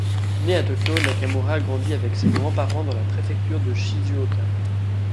Né à Tokyo, Nakamura grandit avec ses grands-parents dans la préfecture de Shizuoka.